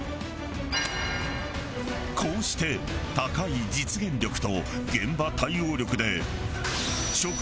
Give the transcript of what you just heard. こうして高い実現力と現場対応力で。